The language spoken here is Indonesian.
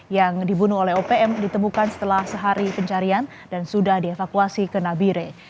yang dibunuh oleh opm ditemukan setelah sehari pencarian dan sudah dievakuasi ke nabire